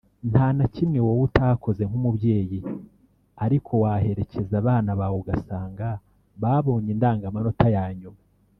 Nta na kimwe wowe utakoze nk’umubyeyi ariko waherekeza abana bawe ugasanga babonye indangamanota ya nyuma